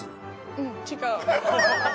うん違う。